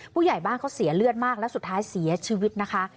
ผู้ใหญ่บ้านเขาเสียเลือดมากแล้วสุดท้ายเสียชีวิตนะคะ